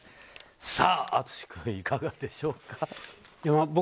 さあ淳君、いかがでしょうか。